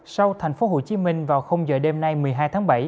sau thành phố hồ chí minh vào giờ đêm nay một mươi hai tháng bảy